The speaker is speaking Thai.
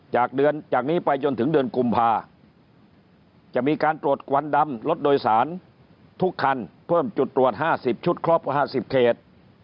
จากเดือนจากนี้ไปจนถึงเดือนกุมภาจะมีการตรวจควันดำรถโดยสารทุกคันเพิ่มจุดตรวจ๕๐ชุดครบ๕๐เขต